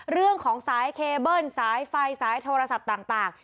เรื่องของสายเคเบิ้ลสายไฟสายโทรศัพท์ต่าง